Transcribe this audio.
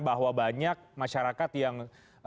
bahwa banyak masyarakat yang